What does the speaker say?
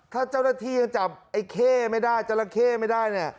ถ้าเจ้าหน้าที่จับไอ้เค่ไม่ได้เจ้าละเค่ไม่ได้